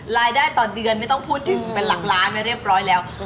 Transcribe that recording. รายได้ต่อเดือนไม่ต้องพูดถึงเป็นหลักล้านไปเรียบร้อยแล้ว